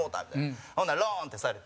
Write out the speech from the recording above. ほんなら、ロン！ってされて。